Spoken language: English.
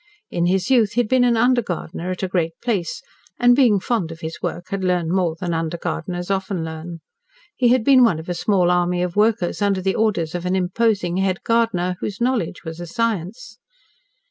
In his youth he had been an under gardener at a great place, and being fond of his work, had learned more than under gardeners often learn. He had been one of a small army of workers under the orders of an imposing head gardener, whose knowledge was a science.